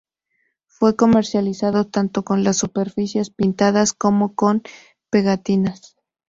Fue comercializado tanto con las superficies pintadas, como con pegatinas.